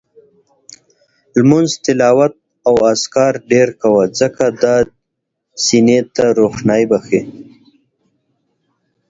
لمونځ، تلاوت او اذکار ډېر کوه، ځکه دا دې سینې ته روښاني بخښي